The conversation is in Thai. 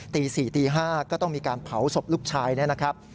ตี๔ตี๕ก็ต้องมีการเผาศพลูกชายนะครับ